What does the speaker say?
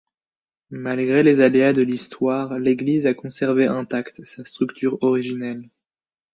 Malgré les aléas de l'histoire, l'église a conservé intacte sa structure originelle.